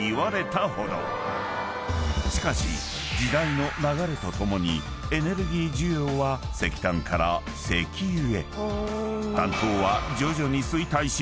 ［しかし時代の流れとともにエネルギー需要は石炭から石油へ］